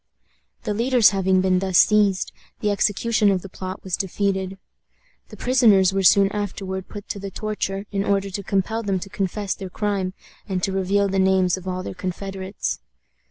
The leaders having been thus seized, the execution of the plot was defeated. The prisoners were soon afterward put to the torture, in order to compel them to confess their crime, and to reveal the names of all their confederates.